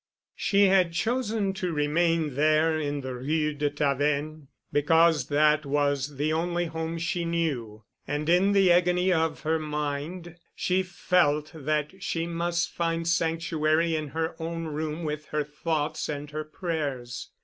She had chosen to remain there in the Rue de Tavennes because that was the only home she knew, and in the agony of her mind she felt that she must find sanctuary in her own room with her thoughts and her prayers.